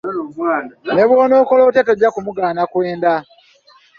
Ne bw’onookola otya tojja kumugaana kwenda.